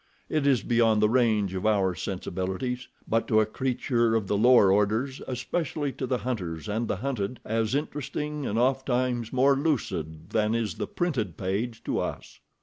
It is beyond the range of our sensibilities; but to a creature of the lower orders, especially to the hunters and the hunted, as interesting and ofttimes more lucid than is the printed page to us.